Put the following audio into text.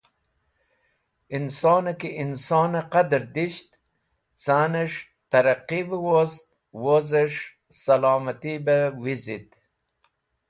Insonẽ ki insonẽ qadẽr disht canẽs̃h tẽrẽqi bẽ wost wozẽs̃h sẽlomati bẽ wizit